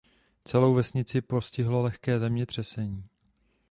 Celou vesnici postihlo lehké zemětřesení.